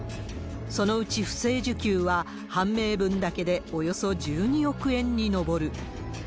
そのうち不正受給は、判明分だけでおよそ１２億円に上る。